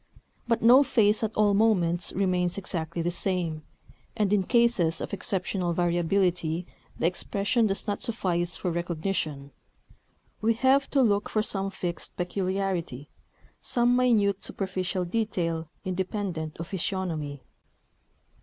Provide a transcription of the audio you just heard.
But no face at all moments remains exactly the same; and in cases of exceptional variability the expression does not suffice for recognition: we have to look for some fixed peculiarity, some minute superficial detail independent of physiognomy.